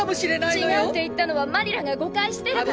違うって言ったのはマリラが誤解してるから。